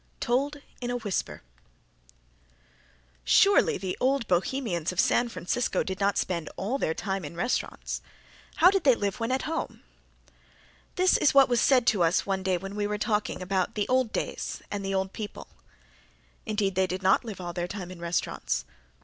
Told in a Whisper "Surely the old Bohemians of San Francisco did not spend all their time in restaurants. How did they live when at home?" This is what was said to us one day when we were talking about the old days and the old people. Indeed they did not live all their time in restaurants.